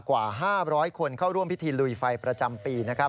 กว่า๕๐๐คนเข้าร่วมพิธีลุยไฟประจำปี